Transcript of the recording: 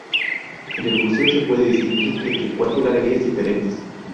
En el museo se puede distinguir entre cuatro galerías diferentes.